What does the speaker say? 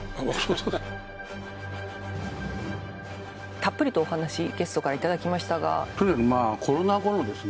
たっぷりとお話ゲストからいただきましたが。